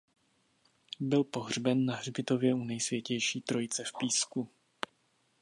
Byl pohřben na hřbitově u Nejsvětější Trojice v Písku.